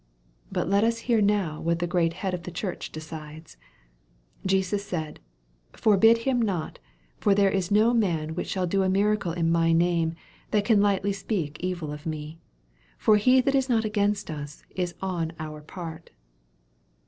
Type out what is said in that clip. But let us hear now what the great Head of the church decides !" Jesus said, Forbid him not ; for there is no man which shall do a miracle in my name that can lightly speak evil of me. For he that is not against us, is on our part."